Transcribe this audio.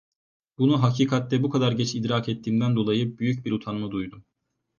Bunu hakikatte bu kadar geç idrak ettiğimden dolayı büyük bir utanma duydum.